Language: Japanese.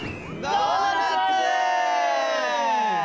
ドーナツ！